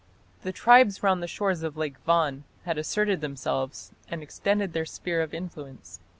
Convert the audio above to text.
The tribes round the shores of Lake Van had asserted themselves and extended their sphere of influence.